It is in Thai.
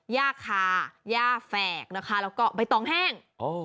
ย่าคาย่าแฝกนะคะแล้วก็ใบตองแห้ง